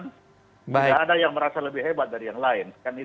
tidak ada yang merasa lebih hebat dari yang lain